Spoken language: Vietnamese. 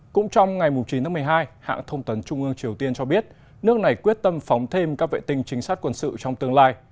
cũng trong ngày chín tháng một mươi hai hãng thông tấn trung ương triều tiên cho biết nước này quyết tâm phóng thêm các vệ tinh trinh sát quân sự trong tương lai